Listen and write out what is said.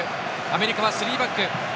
アメリカはスリーバック。